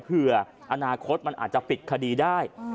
อนาคตมันอาจจะปิดคดีได้